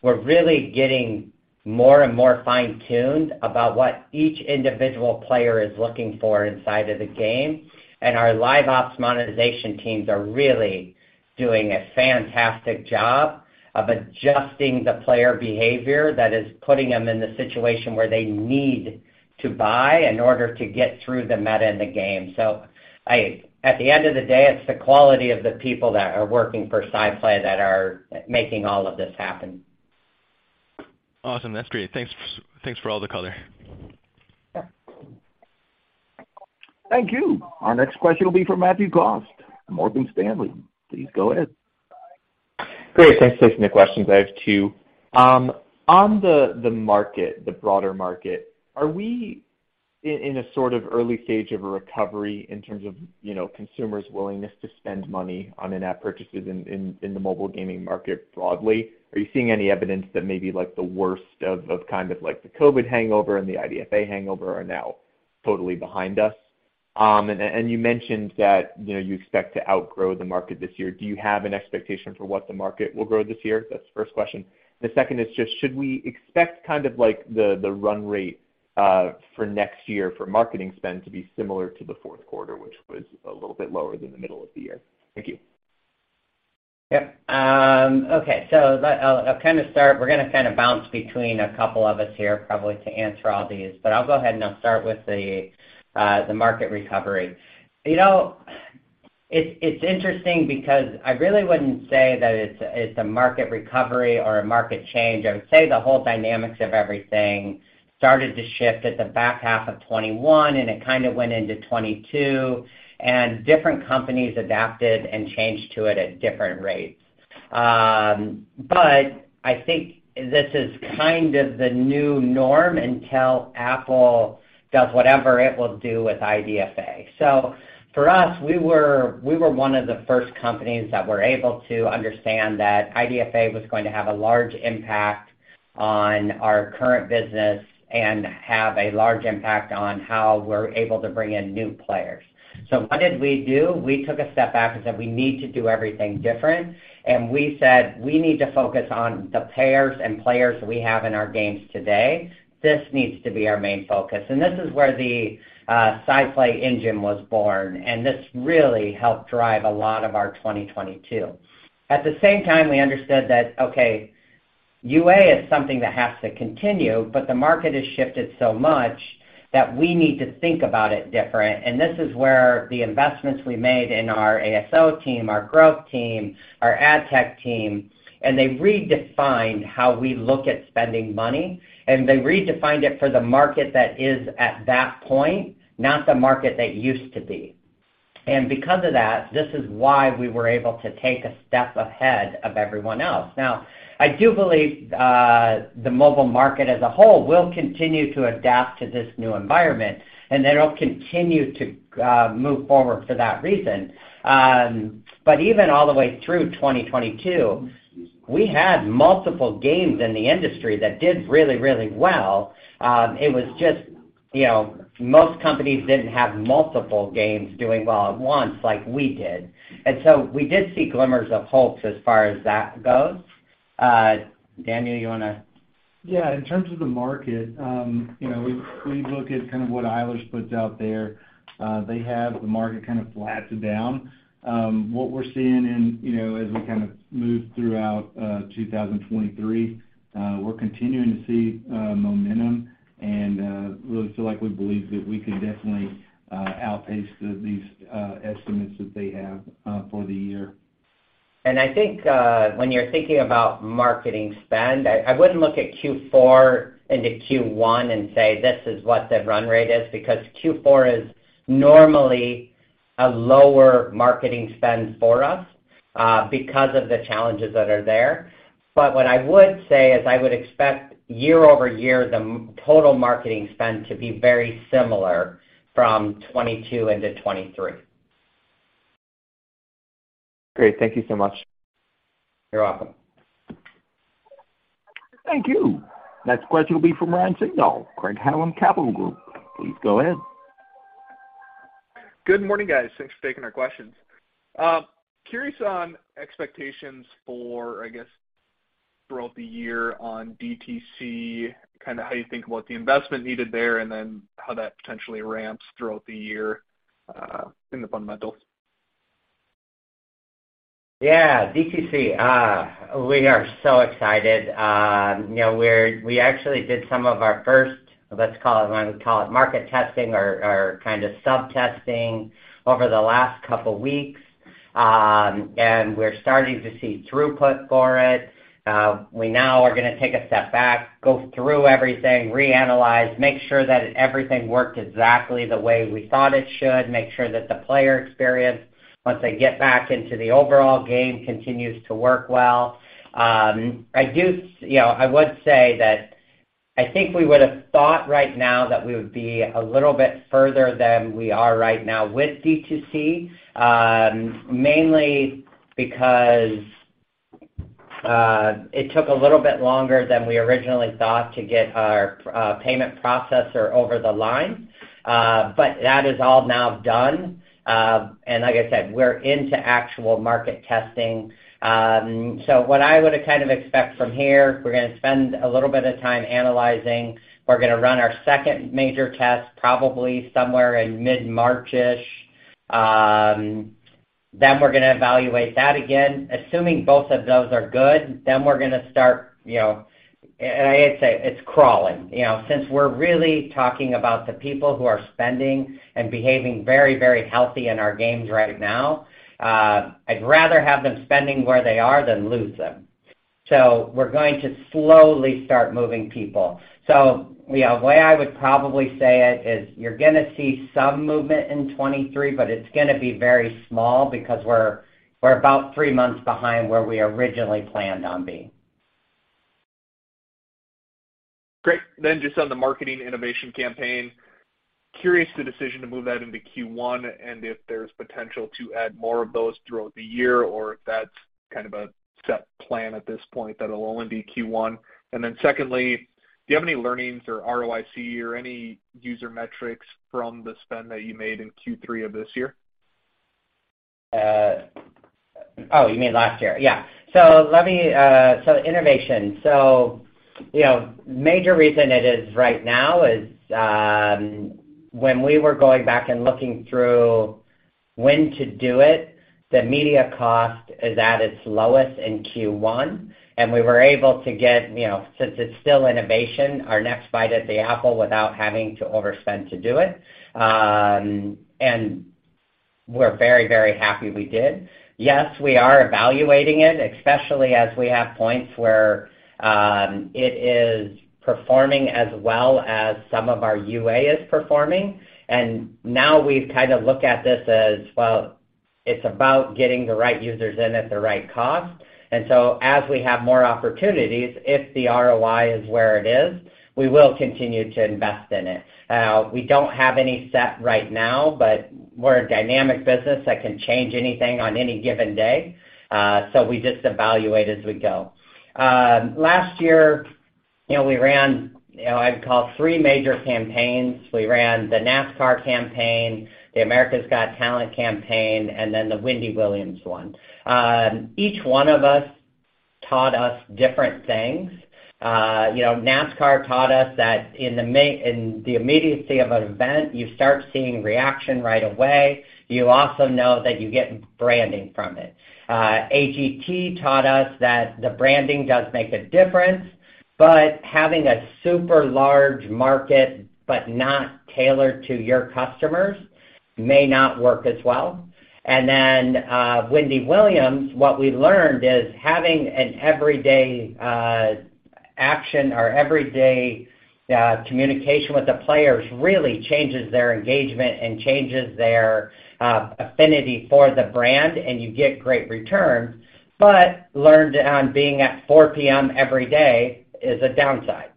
we're really getting more and more fine-tuned about what each individual player is looking for inside of the game. Our LiveOps monetization teams are really doing a fantastic job of adjusting the player behavior that is putting them in the situation where they need to buy in order to get through the meta in the game. At the end of the day, it's the quality of the people that are working for SciPlay that are making all of this happen. Awesome. That's great. Thanks for all the color. Thank you. Our next question will be from Matthew Cost, Morgan Stanley. Please go ahead. Great. Thanks for taking the questions. I have two. On the market, the broader market, are we in a sort of early stage of a recovery in terms of, you know, consumers' willingness to spend money on in-app purchases in the mobile gaming market broadly? Are you seeing any evidence that maybe like the worst of kind of like the COVID hangover and the IDFA hangover are now totally behind us? You mentioned that, you know, you expect to outgrow the market this year. Do you have an expectation for what the market will grow this year? That's the first question. The second is just should we expect kind of like the run rate for next year for marketing spend to be similar to the fourth quarter, which was a little bit lower than the middle of the year? Thank you. Yep. Okay. I'll kind of start. We're gonna kind of bounce between a couple of us here probably to answer all these, but I'll go ahead and I'll start with the market recovery. You know, it's interesting because I really wouldn't say that it's a market recovery or a market change. I would say the whole dynamics of everything started to shift at the back half of 2021, and it kind of went into 2022, and different companies adapted and changed to it at different rates. I think this is kind of the new norm until Apple does whatever it will do with IDFA. For us, we were one of the first companies that were able to understand that IDFA was going to have a large impact on our current business and have a large impact on how we're able to bring in new players. What did we do? We took a step back and said, we need to do everything different. We said, we need to focus on the payers and players we have in our games today. This needs to be our main focus. This is where the SciPlay Engine was born, and this really helped drive a lot of our 2022. At the same time, we understood that, okay, UA is something that has to continue, but the market has shifted so much that we need to think about it different. This is where the investments we made in our ASO team, our growth team, our ad tech team, and they redefined how we look at spending money, and they redefined it for the market that is at that point, not the market that used to be. Because of that, this is why we were able to take a step ahead of everyone else. I do believe the mobile market as a whole will continue to adapt to this new environment, and it'll continue to move forward for that reason. Even all the way through 2022, we had multiple games in the industry that did really, really well. It was just, you know, most companies didn't have multiple games doing well at once like we did. We did see glimmers of hope as far as that goes. Daniel, you wanna? Yeah. In terms of the market, you know, we look at kind of what Eilers puts out there. They have the market kind of flattened down. What we're seeing and, you know, as we kind of move throughout 2023, we're continuing to see momentum and really feel like we believe that we could definitely outpace these estimates that they have for the year. I think, when you're thinking about marketing spend, I wouldn't look at Q4 into Q1 and say, this is what the run rate is, because Q4 is normally a lower marketing spend for us, because of the challenges that are there. What I would say is I would expect year-over-year, the total marketing spend to be very similar from 2022 into 2023. Great. Thank you so much. You're welcome. Thank you. Next question will be from Ryan Sigdahl, Craig-Hallum Capital Group. Please go ahead. Good morning, guys. Thanks for taking our questions. Curious on expectations for, I guess, throughout the year on DTC, kinda how you think about the investment needed there, and then how that potentially ramps throughout the year in the fundamentals. Yeah, DTC. We are so excited. You know, we actually did some of our first, let's call it what I would call it, market testing or kind of sub testing over the last couple weeks. We're starting to see throughput for it. We now are gonna take a step back, go through everything, reanalyze, make sure that everything worked exactly the way we thought it should, make sure that the player experience, once they get back into the overall game, continues to work well. You know, I would say that I think we would've thought right now that we would be a little bit further than we are right now with DTC, mainly because it took a little bit longer than we originally thought to get our payment processor over the line. That is all now done. Like I said, we're into actual market testing. What I would kind of expect from here, we're gonna spend a little bit of time analyzing. We're gonna run our second major test probably somewhere in mid-March-ish. We're gonna evaluate that again. Assuming both of those are good, we're gonna start, you know. I say it's crawling, you know. Since we're really talking about the people who are spending and behaving very, very healthy in our games right now, I'd rather have them spending where they are than lose them. We're going to slowly start moving people. You know, the way I would probably say it is you're gonna see some movement in 2023, but it's gonna be very small because we're about three months behind where we originally planned on being. Great. Just on the marketing innovation campaign, curious the decision to move that into Q1, and if there's potential to add more of those throughout the year, or if that's kind of a set plan at this point that'll only be Q1. Secondly, do you have any learnings or ROIC or any user metrics from the spend that you made in Q3 of this year? Oh, you mean last year? Yeah. Let me. Innovation. You know, major reason it is right now is, when we were going back and looking through when to do it, the media cost is at its lowest in Q1, and we were able to get, you know, since it's still innovation, our next bite at the apple without having to overspend to do it. And we're very, very happy we did. Yes, we are evaluating it, especially as we have points where it is performing as well as some of our UA is performing. Now we've kind of looked at this as, well, it's about getting the right users in at the right cost. As we have more opportunities, if the ROI is where it is, we will continue to invest in it. We don't have any set right now, but we're a dynamic business that can change anything on any given day, so we just evaluate as we go. Last year, you know, we ran, you know, I'd call three major campaigns. We ran the NASCAR campaign, the America's Got Talent campaign, and then the Wendy Williams one. Each one of us taught us different things. You know, NASCAR taught us that in the immediacy of an event, you start seeing reaction right away. You also know that you get branding from it. AGT taught us that the branding does make a difference, but having a super large market, but not tailored to your customers may not work as well. Wendy Williams, what we learned is having an everyday action or everyday communication with the players really changes their engagement and changes their affinity for the brand, and you get great returns. Learned on being at 4:00 P.M. every day is a downside.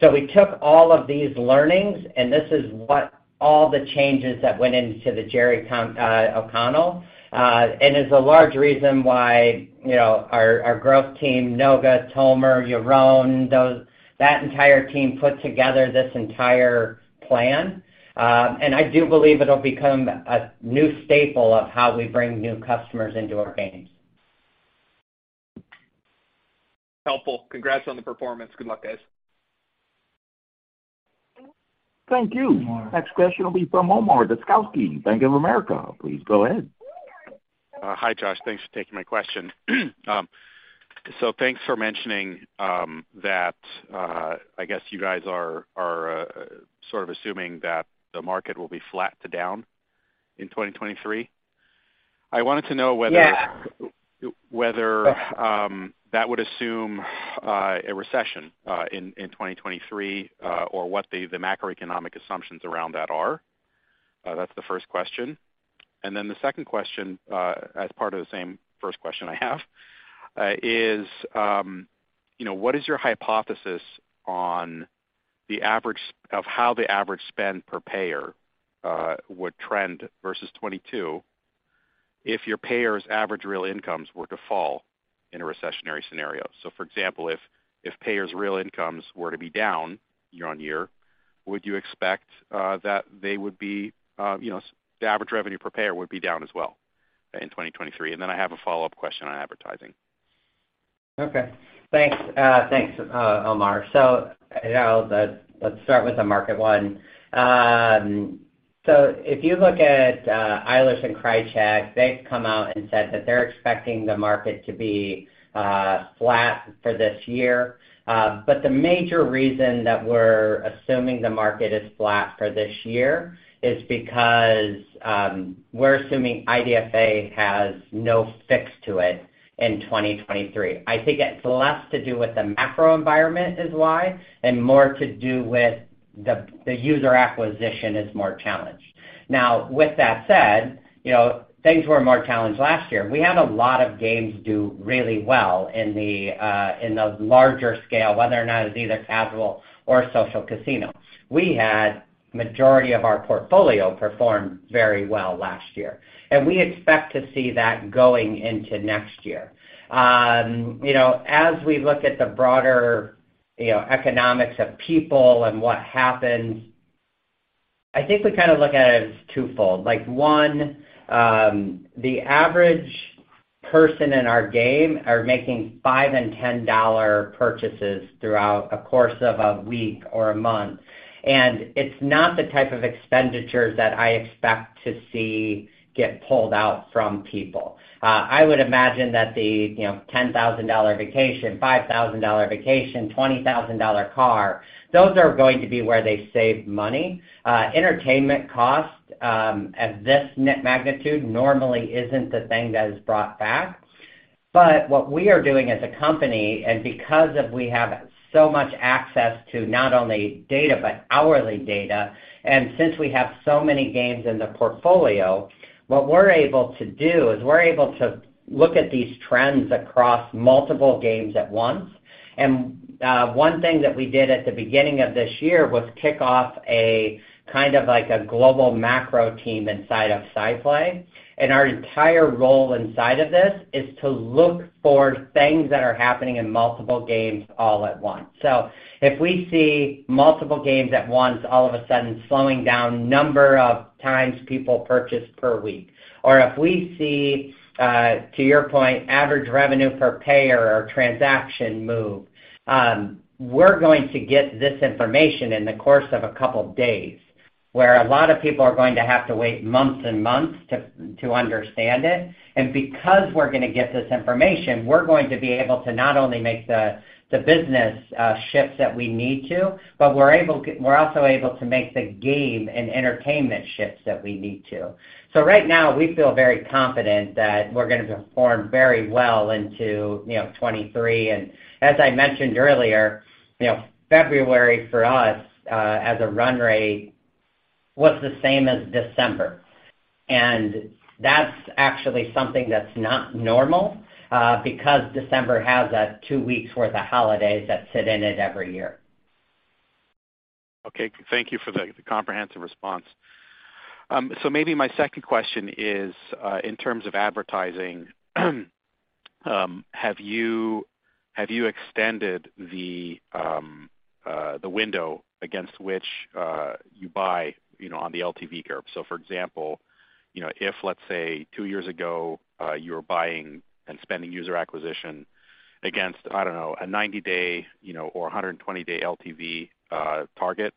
We took all of these learnings, and this is what all the changes that went into the Jerry O'Connell. Is a large reason why, you know, our growth team, Noga, Tomer, Yaron, that entire team put together this entire plan. I do believe it'll become a new staple of how we bring new customers into our games. Helpful. Congrats on the performance. Good luck, guys. Thank you. Next question will be from Omar Dessouky, Bank of America. Please go ahead. Hi, Josh. Thanks for taking my question. Thanks for mentioning, that I guess you guys are sort of assuming that the market will be flat to down in 2023. I wanted to know. Yeah Whether that would assume a recession in 2023 or what the macroeconomic assumptions around that are. That's the first question. The second question as part of the same first question I have is, you know, what is your hypothesis of how the average spend per payer would trend versus 2022 if your payers' average real incomes were to fall in a recessionary scenario? For example, if payers' real incomes were to be down year-on-year, would you expect that they would be, you know, the average revenue per payer would be down as well in 2023? I have a follow-up question on advertising. Okay. Thanks, thanks, Omar. You know, let's start with the market one. If you look at Eilers & Krejcik, they've come out and said that they're expecting the market to be flat for this year. The major reason that we're assuming the market is flat for this year is because we're assuming IDFA has no fix to it in 2023. I think it's less to do with the macro environment is why, and more to do with the user acquisition is more challenged. Now, with that said, you know, things were more challenged last year. We had a lot of games do really well in the larger scale, whether or not it was either casual or social casino. We had majority of our portfolio perform very well last year. We expect to see that going into next year. You know, as we look at the broader, you know, economics of people and what happens, I think we kind of look at it as twofold. Like one, the average person in our game are making $5 and $10 purchases throughout a course of a week or a month. It's not the type of expenditures that I expect to see get pulled out from people. I would imagine that the, you know, $10,000 vacation, $5,000 vacation, $20,000 car, those are going to be where they save money. Entertainment costs, at this magnitude normally isn't the thing that is brought back. What we are doing as a company, and because of we have so much access to not only data but hourly data, and since we have so many games in the portfolio, what we're able to do is we're able to look at these trends across multiple games at once. One thing that we did at the beginning of this year was kick off a kind of like a global macro team inside of SciPlay. Our entire role inside of this is to look for things that are happening in multiple games all at once. If we see multiple games at once, all of a sudden slowing down number of times people purchase per week, or if we see, to your point, average revenue per payer or transaction move, we're going to get this information in the course of a couple of days, where a lot of people are going to have to wait months and months to understand it. Because we're gonna get this information, we're going to be able to not only make the business shifts that we need to, but we're also able to make the game and entertainment shifts that we need to. Right now we feel very confident that we're gonna perform very well into, you know, 2023. As I mentioned earlier, you know, February for us, as a run rate, was the same as December. That's actually something that's not normal, because December has that two weeks worth of holidays that sit in it every year. Okay. Thank you for the comprehensive response. Maybe my second question is in terms of advertising, have you extended the window against which you buy, you know, on the LTV curve? For example, you know, if, let's say, two years ago, you were buying and spending user acquisition against, I don't know, a 90-day, you know, or a 120-day LTV target,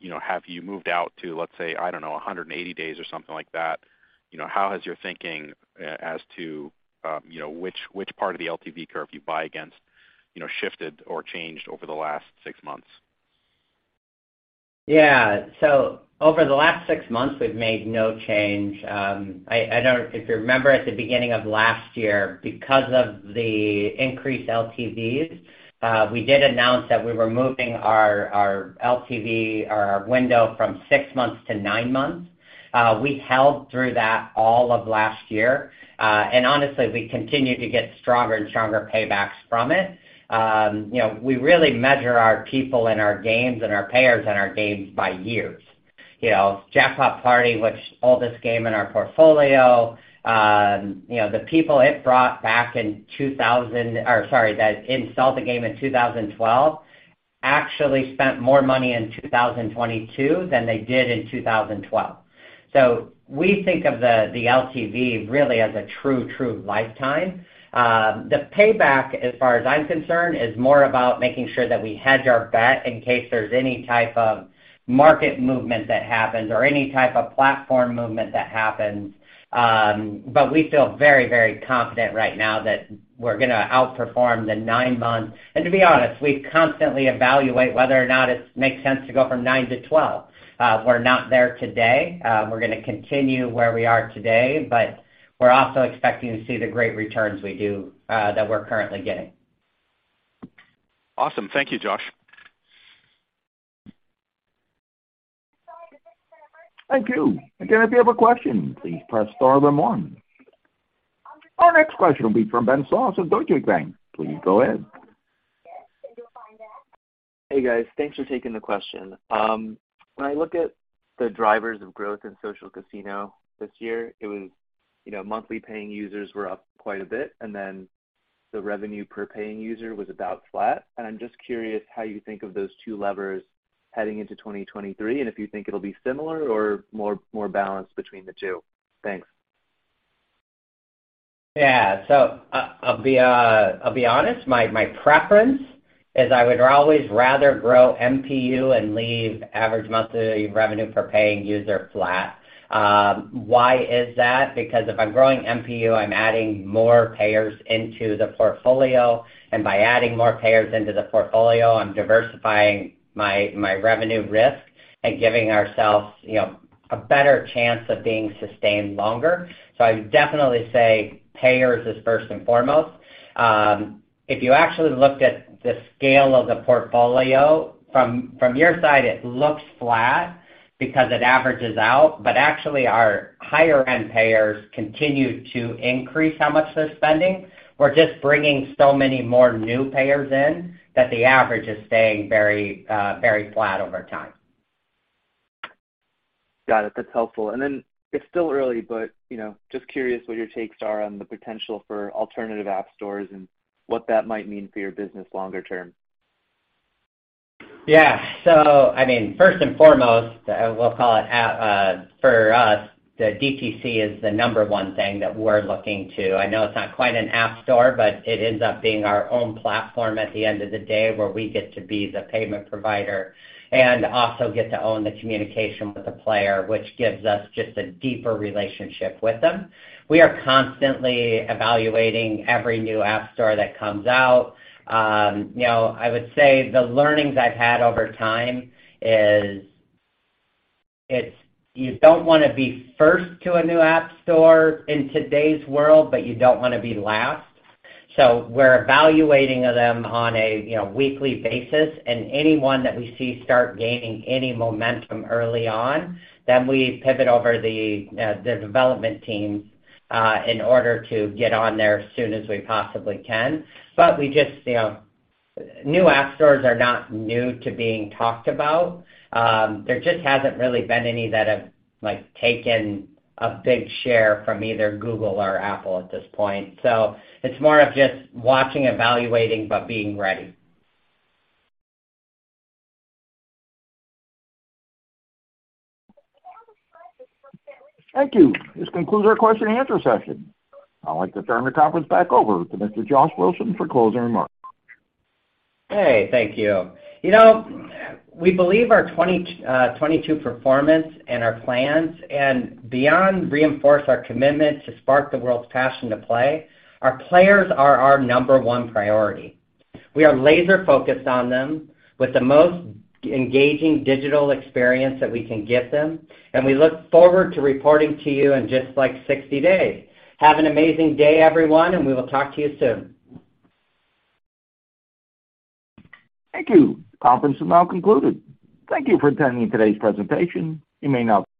you know, have you moved out to, let's say, I don't know, 180 days or something like that? You know, how has your thinking as to, you know, which part of the LTV curve you buy against, you know, shifted or changed over the last six months? Yeah. Over the last six months, we've made no change. I don't. If you remember at the beginning of last year, because of the increased LTVs, we did announce that we were moving our LTV, our window from six months to nine months. We held through that all of last year. And honestly, we continue to get stronger and stronger paybacks from it. You know, we really measure our people and our games and our payers and our games by years. You know, Jackpot Party, which oldest game in our portfolio, you know, the people it brought back that installed the game in 2012 actually spent more money in 2022 than they did in 2012. We think of the LTV really as a true lifetime. The payback, as far as I'm concerned, is more about making sure that we hedge our bet in case there's any type of market movement that happens or any type of platform movement that happens. We feel very, very confident right now that we're gonna outperform the nine months. To be honest, we constantly evaluate whether or not it makes sense to go from nine to 12. We're not there today. We're gonna continue where we are today, but we're also expecting to see the great returns we do, that we're currently getting. Awesome. Thank you, Josh. Thank you. If you have a question, please press star then one. Our next question will be from Ben Soff of Deutsche Bank. Please go ahead. Hey, guys. Thanks for taking the question. When I look at the drivers of growth in social casino this year, it was, you know, monthly paying users were up quite a bit, then the revenue per paying user was about flat. I'm just curious how you think of those two levers heading into 2023, and if you think it'll be similar or more balanced between the two. Thanks. Yeah. I'll be honest. My preference is I would always rather grow MPU and leave average monthly revenue per paying user flat. Why is that? Because if I'm growing MPU, I'm adding more payers into the portfolio, and by adding more payers into the portfolio, I'm diversifying my revenue risk and giving ourselves, you know, a better chance of being sustained longer. I would definitely say payers is first and foremost. If you actually looked at the scale of the portfolio from your side, it looks flat because it averages out. Actually our higher end payers continue to increase how much they're spending. We're just bringing so many more new payers in that the average is staying very flat over time. Got it. That's helpful. Then it's still early, but, you know, just curious what your takes are on the potential for alternative app stores and what that might mean for your business longer term. Yeah. I mean, first and foremost, we'll call it app, for us, the DTC is the number one thing that we're looking to. I know it's not quite an app store, but it ends up being our own platform at the end of the day, where we get to be the payment provider and also get to own the communication with the player, which gives us just a deeper relationship with them. We are constantly evaluating every new app store that comes out. You know, I would say the learnings I've had over time is you don't want to be first to a new app store in today's world, but you don't want to be last. We're evaluating them on a, you know, weekly basis and anyone that we see start gaining any momentum early on, then we pivot over the development team in order to get on there as soon as we possibly can. We just, you know, new app stores are not new to being talked about. There just hasn't really been any that have, like, taken a big share from either Google or Apple at this point. It's more of just watching, evaluating, but being ready. Thank you. This concludes our question-and-answer session. I'd like to turn the conference back over to Mr. Josh Wilson for closing remarks. Hey, thank you. You know, we believe our 2022 performance and our plans and beyond reinforce our commitment to spark the world's passion to play. Our players are our number one priority. We are laser focused on them with the most engaging digital experience that we can get them, and we look forward to reporting to you in just like 60 days. Have an amazing day, everyone, and we will talk to you soon. Thank you. Conference is now concluded. Thank you for attending today's presentation. You may now-